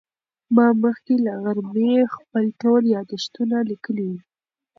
ما مخکې له غرمې خپل ټول یادښتونه لیکلي وو.